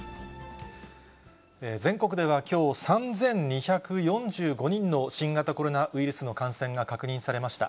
全国ではきょう、３２４５人の新型コロナウイルスの感染が確認されました。